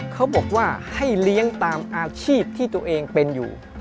เขาบอกว่าให้เลี้ยงตามอาชีพที่ตัวเองเป็นอยู่